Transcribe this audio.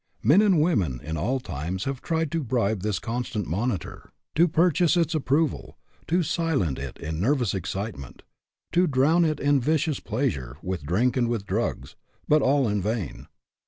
Men and women in all times have tried to bribe this constant monitor; to purchase its HAPPY ? IF NOT, WHY NOT? 149 approval; to silence it in nervous excitement; to drown it in vicious pleasure, with drink and with drugs but all in vain.